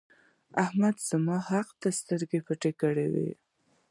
احمد زما حق ته سترګې پټې کړې وې.